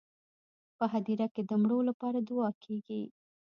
په هدیره کې د مړو لپاره دعا کیږي.